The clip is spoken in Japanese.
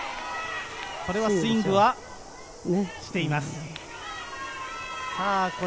これはスイングはしています。